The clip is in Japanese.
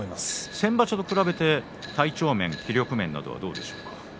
先場所と比べて体調面、気力面はどうですか？